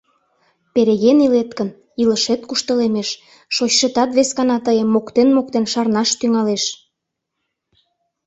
Переген илет гын, илышет куштылемеш, шочшетат вескана тыйым моктен-моктен шарнаш тӱҥалеш.